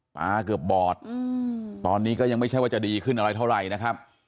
ตาเกือบบอดตอนนี้ก็ยังไม่ใช่ว่าจะดีขึ้นอะไรเท่าไหร่นะครับ